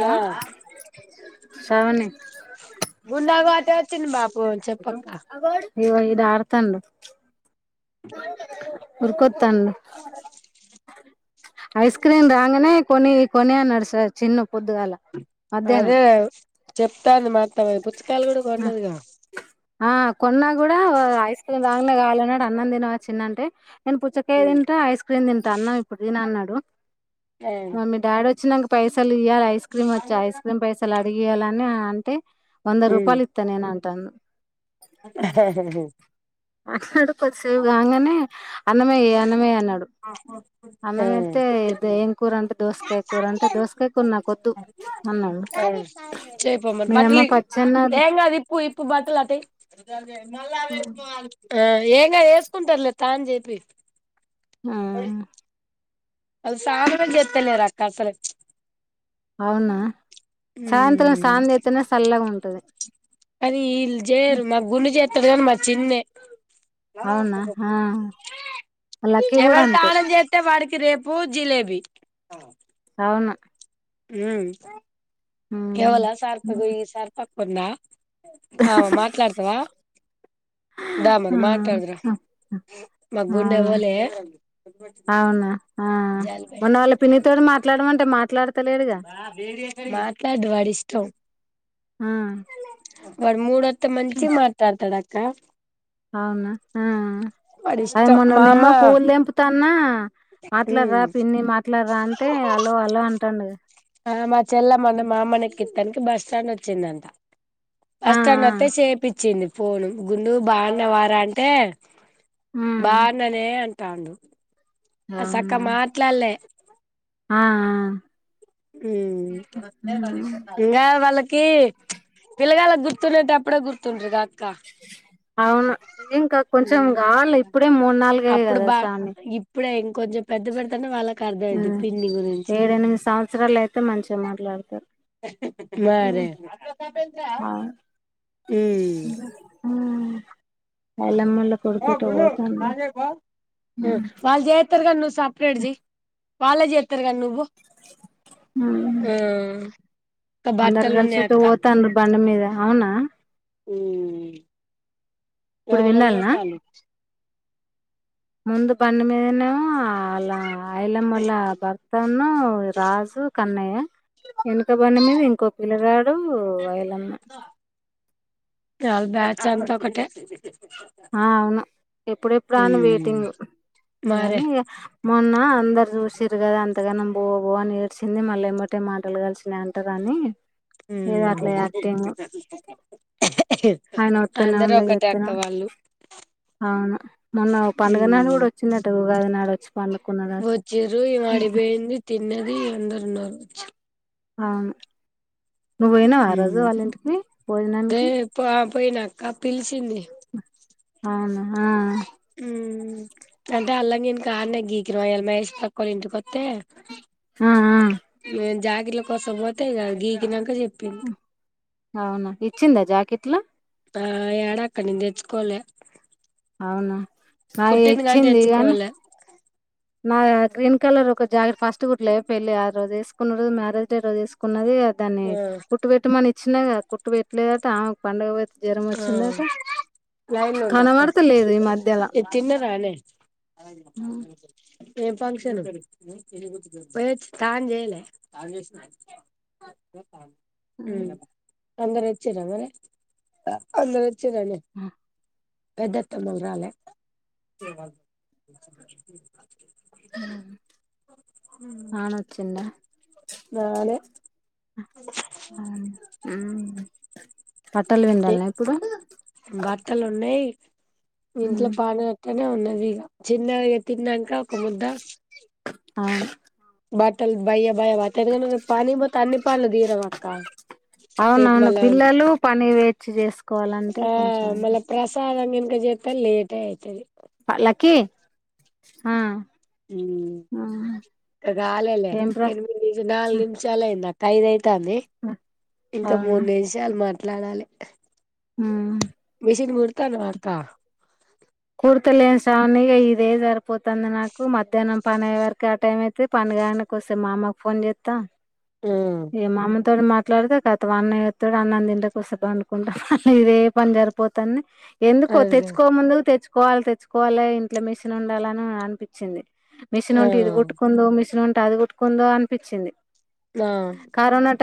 ఆ ఏ సవునే గుండెపాటి వొచ్చింది బాపు చెపక్క ఇగో ఈడ ఆడతండు ఉర్కు తన్ డ్ ఐస్ క్రీమ్ రాగానే కొని కొని అనా డు సార్ చిన్ పొద్దుగాల మధ్యాహ్నం అదే చెప్తాంది మాత్త పుచకాయలు కూడా కొన్నదిగా ఆ కొన్నా కూడా ఐస్ క్రీమ్ రాన్ గా కావాలని అన్నం తిన వ చిన్న అంటే నేను పుచ్చకాయ తింటా ఐస్ క్రీమ్ తింటా అన్నమ్ ఇప్పుడు తిన్ అన్నాడు ఆ మమ్మీ డాడ్ వచ్చినంక పైసలు ఇ య్యాలె ఐస్ క్రీమ్ వచ్సా ఐస్ క్రీమ్పైసలక్ ఇయాలని అంటే వంద రూపాలు ఇత్తనేనాన్ తను హే హే ఆహ్ కొదిసేపు కాంగనే అన్నమేయ్ అన్నమేయ్ అన్నాడు అన్నమెతే ఏం కూర అంత దోసకాయ కూర అంటే దోసకాయ కూర నాకొద్దు అన్నాడు ఆ చేయిపో మరి మీ బట్టలు అమ్మ పచ్చన్నది ఇ మల్లా వేట్ మార్ తు ఆ ఏం గాదు వేసుకుంటార్లే తాన్ చెపియ్ ఆ వాల్ సానమే చెత్తలేరక్క అసల్ ఉక్ అవునా సాయంత్రం ఉమ్ సానం జేతనే చల్లగా ఉంటది అది ఇల్ జేరు మా గులు జేత్ డుగాన్ మా చిన్ ఏ అవునా ఆ లక్కీ కూడా ఎవడు అంతే తానం జేత్తే వాడిక్ తిరేపు జిలేబీ అవును మ్మ్ ఉమ్ ఎవల సార్తో బోయ్ సార్ ప ఉంద ఆ మాట్లాడతవా ద మరి మాట్లాడ్దురా ఆ మగ్ ఉండే అవునా ఓలే అవునా ఆ జాల్పడ్యా మొన్న వాళ్ళ పిన్నితోటి మాట్లాడమంటే మాట్లాడతలేడుగా మాట్లాడు వాడి ఇష్టం ఆ వాడి మూడత్ తే మంచిగ్ మాట్తాడతాడక్ క అవునా ఆ వాడి అవి ఇష్టం మొన్న మా అమ్మ నేను పూలు దెంపుతన్నా మాట్లాడ్రా పిన్ని మాట్లాడ్రా అంటే అలో అలో అంటండు ఆ మా చెల్లమ్మని మా అమ్మని ఎక్ కిత్తనికి బస్ స్టాండ్ ఒచ్చిందంట ఆ బస్ స్టాండ్ ఆ ఒత్తే చేపిచ్చింది ఫోను గుండు బాన్నవా రా అంటే ఉమ్ బాన్ననే అన్ తాండు ఆ సక్క అవునా మాట్లాల్లే ఆ ఆ ఉమ్ ఇంగా వాళ్ళకి పిళ్ళగాళ్లక్ గుర్తున్నటప్పుడే గుర్తుండ్రగా అవును ఇంక కొంచం గావాలి ఇప్పుడే మూన్ నాల్గు అవే కదా స్వామి ప్లేయింగ్ ఊ పిన్ని గురించి ఏడ్ ఎనిమిది సమర్చరాల్ అయితే మంచిగా మాట్లాడతర్ మరే మ్మ్ ఉమ్ ఎల్లమ్మోల్ల కొడుకు ఊ ఎటో పోతాండు వాళ్ జేత్తర్గా నువ్ స్ సప్రేట్ జై వాళ్లే జేత్ ఆ ఇంకా అందరు బట్టలు ఉన్నాయి కలిసేటు అక్క పోతా అందరు బండ మీద అవునా ఊ ఇప్పుడు ఎవలల్ విండాల్నా పోతాన్రు ముందు పన్ను మీను ఆలా ఆయల మల్ల భర్తను రాజు కన్నయ్య ఎనకబండి మీద ఇంకో పిల్లగాడూ వయలమ్మ చాల్ బ్యాచ్ అంత ఒకటే ఆ అవును ఎప్పుడెప్పుడ అని ఉమ్ వెయిటింగు మరే గాని ఇగ మొన్న అందరు జూసీర్రు గదా అంతగానం బో బో ఏడ్సింది మళ్లి ఏమ్మటే మాటలు కలిసినాయ్ అంటారు అని ఊమ్ ఆయన వత్తనే అందరూ ఉండే ఒక్కటే అక్క చెత్తనే వాళ్ళు అవును మొన్న పండుగ నాడు ఉమ్ గూడా వచ్చింనంట ఉగాదినాడు వచ్చిర్రు ఈమే అడిపేయింది తిన్న ది అందరున్నారు వోచ్ ఆవును భోజనానికి అదే పా పోయినక్క పిలిచింది అవున [unintelligible] నేన్ ఆ జా దీండ్ల కోసం పోతే ఇంగ గీకి నంక జొ ప్పింది అవునా ఇచ్చిందా జాకెట్ లు ఆ యాడా అక్క నేన్ దెచ్చుకోలా అవునా అయి ఇచ్చింది గాని తెచ్చుకోలే ఆ గ్రీన్ కలర్ ఒక జాకెట్ ఫస్ట్ కుట్లే పెళ్లి ఆ రోజు ఏసుకున్నుడు మ్యారేజ్ డే రోజు ఏసుకున్నదే గదా ద్దాన్ని ఆ కుట్టు వెట్టు మని ఇచ్చినా గదా కుట్టు పెట్ట్లేదు అంటే ఆమెకు పండగ పో ఆ లైన్ లో ఉండ అక్క కనబడతలేదు ఈ మధ్యలా ఇది తిన్నరా ఆనే అలాగ ఏ ఫంక్షను తాన్ చేయలే ఉ అందరు వచ్చిర్ర మరె అందరొ వచ్చిండ్రామే పెద్ద అత్త మామ రాలా అవును వాన వచ్చిండా రాలే పట్టలు విం ఎ బట్టలు ఉన్నాయ్ ఇంట్లో ఉమ్, పాన నే ఉన్నది ఇక చిన్నవి తింన్నాంక కమద్ దస్ అవును బాటల్ భయం భ ఎందుకంట పని పోతే అన్ని పనులు తీర అక్క, రేపు అవునవును మళ్ళా పిల్లలు పని వేచి చేసుకోవాలంటే ఆ కొంచెం మళ్ళ ఇది. ప్రసాదం ఇంకా త్తా లేట్ అయితది పల్లకి హ ఇక కాలేలే ఏం ఏన్ ప్రశ్న మీ ఇ నాలుగు నిమిషల అయ్ తైదయితే [unintelligible] ఇంకా మూడు అవును నిమిషాలు మాట్ మాట్లాడాలి మెషన్ గు త్తను అక్క కూర్తలేని సానిగా ఇదే సరిపోతుంది నాకు మధ్యాహ్నం పని అయే వరకు ఆ టైం అయితే పని కాడాక వస్తే మా అమ్మకు ఫోన్ చేస్తా ఆ ఏ మమ తోడు మాట్లాడితే గతం అన్నయ్యత్తడు అన్నం తింట కోసే పండుకుంటాం అ ఇదే పని జరిపోతాంది. ఎందుకో అదే తెచ్చుకో ముందుకు తెచ్చు కోవాలి తెచ్చుకోవాలి ఇంట్లో మిషన్ ఉండాలని అనిపించింది మిషన్ ఆ ఉంట ఇది కూడకుందు మిస్న్ ఉం అది కొట్టుకుందో అనిపించింది ఆ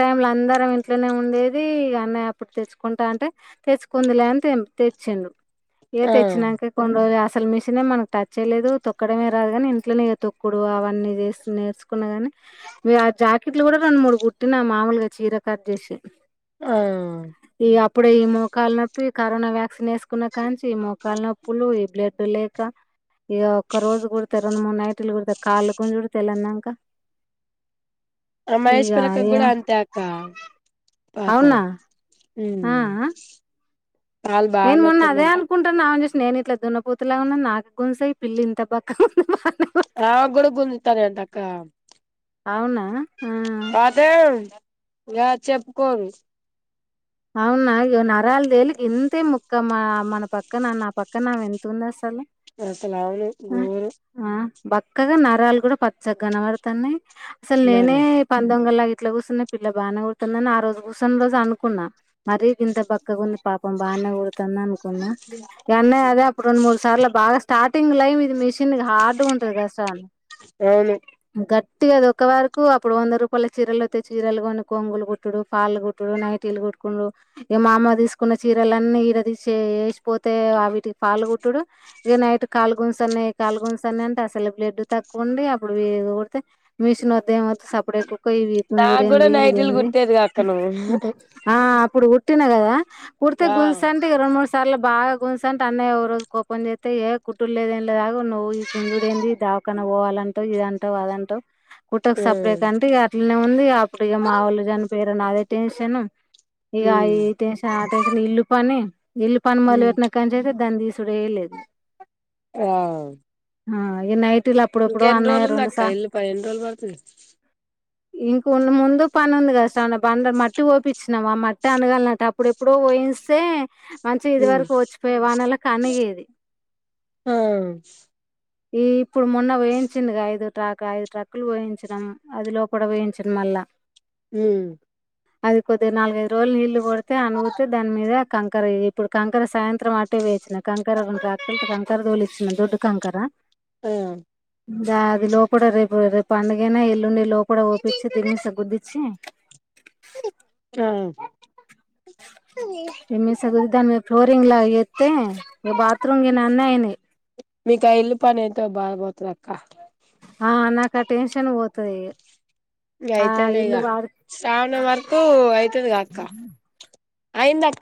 టైమ్ లో అందరం ఇంట్లోనే ఉండేది అన్నయ అప్పుడు తెచ్చుకుంటా అంటే, తెచ్చుకుంది లే అని తెచ్చిండు ఇగ ఆ తెచ్చినాంక కొన్ని రో అసలు మిషన్ మనకు టచ్ చేయలేదు తొక్కడమే రాదు కాని ఇంట్లోనే తొక్కుడు అవన్నీ చేసి నేర్ కున్న గాని మీ ఆ జా [unintelligible] రెండు మూడు కుట్టిన మామూలుగా చీర కట్ చేసి ఆ ఇప్పుడు ఈ మోకాలు నొప్పి కరోనా వ్యాక్సిన్ వేసుకున్న కాంచి మోకాల్ నప్పులు ఇబ్లేట్ పెళ్లాయిక ఇక ఒక్క రోజు కూడాతే రెండు మూడు నైట్లు కూడా కాళ్ళు గుంజ కూడా పెళ్లాయిక ఆ మహేశ్వరకా కూడా అంతే అకా పాపం అవునా ఆ మ్ ఆ నేను మొన్న అదే అనుకుంటానా అ నేను ఇట్లా దున్నపోతులాగాన్నా నాకు గుంసయి పిల్లి ఇంత బక్క [unintelligible] ఆ గుడు గుందజత ర అంట అకా అవునా ఆ యా చెప్పుకోరు. అవునాయో నా రాళ్ తేలి గొంతే మొఖం. మా మన పక్కన నా పక్క నా ఆమె ఎంతుంది అసలు ఆసలావును ఆ గోరు ఆ బక్కగా నరాలు కూడా పచ్చగ్గనవాడుతున్నాయి. అసలు నేనే మరి పందంగొల్ ఇట్లా కూర్చొనే పిల్ల బానే కోటతందని ఆ రోజు కూర్చొన రోజు అనుకున్నా మరి గింత బక్కగా ఉంది పాపం బానే గొ కొడుతుంది అనుకున్నా ఇగఅన్న అదే అప్పుడు రెండు మూడు సార్ల బాగా స్టార్టింగ్ లైఫ ఇది మిషన్ గా హార్డ్ ఉంటది గదా సాన్ అవును మ్ గట్ పట్ కద ఇక ఒక వరకు అప్పుడు వంద రూపాయల చీరలు వస్తతే చీరలుగా కొన్ని కొంగులు కుట్టుడు, పాళ్ళు కుట్టుడు, నైటీలు కుట్ డు ఇక మా అమ్మ తీసుకున్న చీరలన్నీ ఇడ తీసి ఎసిపోతే అవిటికి పాలు కుట్టుడు ఇగ నైట్ కాలు గుంజుతున్నాయి కాలు గుంజుతున్నాయి అంటే అసలే బ్లెడ్ తక్కువుంది అప్పుడు వి ఇది వుడితె మిషన్ వద్దు ఏమద్దు సపడే కుకో ఇ నాకు కూడా గుంజుడెంది నైటీలు ఇదేంది. కుట్టేదిగా అక్క నువ్వు అప్పుడు కుట్టిన గదా వుడితే ఆ గుంజుతంటే రెండుమూడు సార్లకు బాగా గుంజుతాంటే అన్నయ్య ఓ రోజు కోపం జేత్తే ఏ కుట్టుడు లేదేం ఎం లేదు ఆగ్ నువ్వు ఈ గుంజుడ ఏంది ఈ దావకన వ్ వోవాలంటవు ఇదంటవు అదంటావు. కుట్టకు సపరేక ఉమ్ అంటే ఇగ అట్లనే ఉంది. అప్పుడు ఇగ మా వాళ్ళు జని పేరని అదే టెన్షన్ తను ఇకా ఉమ్ ఈ టెన్షన్ ఆ టెన్షన్ ఇల్లు పని ఇల్లు పని మొదలు ఉమ్ పెట్నకనించయితే దాన్న్ తీ చుడలేద్ హ ఇగ నైట్ ఇంకా ఎన్నిరోజులు ఉంది అక్క ఇల్లుపని ఎన్ని రోజులు పడుతది. ఇంక వున్న ముందు పని ఉంది కదా షాన్న బండర్ మట్టి పోపించ్ చూసనవా ఆ మట్టే అనగలనట అప్పుడ ఎప్పుడు పోయిస్తే మంచిగా ఇది ఉమ్ వరకు వచ్చిపోయే వానలాకు అనిగేది. ఆ ఈ ఇప్పుడు మొన్న వేయించింది ఐదు ట్రాక్ ఐదు ట్రక్కులు వేయించినాం అది లోపడ వోయించడం మళ్ళా హ్మ్ అది కొద్ది నాలుగైదు రోజులు నీళ్లు కొడితే అనుగుతే దాని మీద కంకర ఇప్పుడు కంకర సాయంత్రం అట్టే వేయించినా కంకర ట్రాక్టర్లతో కంకర దోలిచ్చిన దొడ్డు కంకర ఆ ఇంకా అది లోపట రేపు రేపు పండగైనా ఎల్లుండే లో పోపిచ్చి దిమ్మిస గుదిచ్చి ఆ దీన్ని సగుదిద్దాంలే ఫ్లోరింగ్ లాగెత్తే ఇగ బాత్రూమ్ గిన అన్నయినై మీకు ఆ ఇల్లు పని ఐతె బాగొత్తరె అక్క ఆ నాకు ఆ టెన్షన్ పోతదిగ ఇంగయితలేగా శ్రావణం వరకు అయితది గా అక్క అయిందప్ప